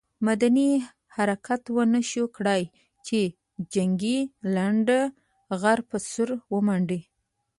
مدني حرکت ونه شو کړای چې جنګي لنډه غر په سوړه ومنډي.